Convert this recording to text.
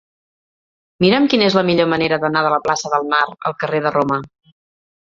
Mira'm quina és la millor manera d'anar de la plaça del Mar al carrer de Roma.